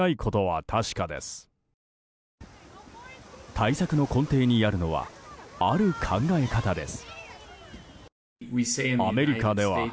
対策の根底にあるのはある考え方です。